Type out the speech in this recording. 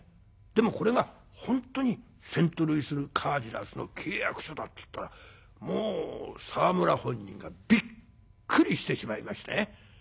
でもこれが本当にセントルイス・カージナルスの契約書だって言ったらもう沢村本人がびっくりしてしまいましてね。